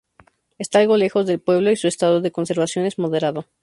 Está algo lejos del pueblo y su estado de conservación es moderado.